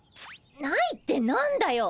ないって何だよ。